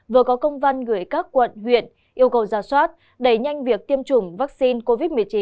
vừa có công văn gửi các quận huyện yêu cầu giả soát đẩy nhanh việc tiêm chủng vaccine covid một mươi chín